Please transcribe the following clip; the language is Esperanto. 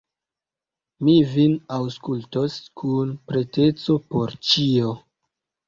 Mi vin aŭskultos kun preteco por ĉio.